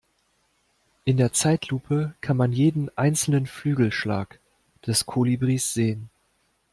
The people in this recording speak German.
In der Zeitlupe kann man jeden einzelnen Flügelschlag des Kolibris sehen.